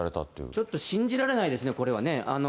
ちょっと信じられないですね、これはね。